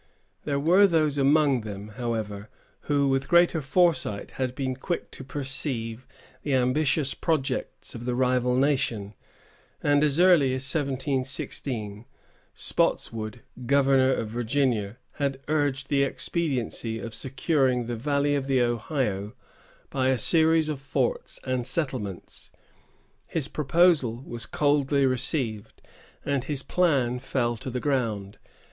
There were those among them, however, who with greater foresight had been quick to perceive the ambitious projects of the rival nation; and, as early as 1716, Spotswood, governor of Virginia, had urged the expediency of securing the valley of the Ohio by a series of forts and settlements. His proposal was coldly received, and his plan fell to the ground.